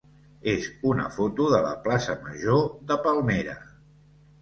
és una foto de la plaça major de Palmera.